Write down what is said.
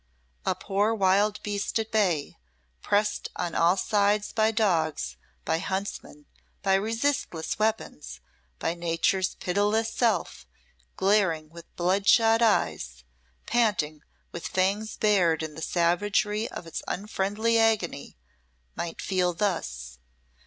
A poor wild beast at bay, pressed on all sides by dogs, by huntsmen, by resistless weapons, by Nature's pitiless self glaring with bloodshot eyes, panting, with fangs bared in the savagery of its unfriended agony might feel thus.